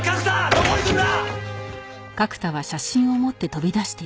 どこ行くんだ！